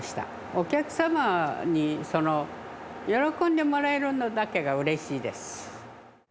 お客様に喜んでもらえるのだけがうれしいです。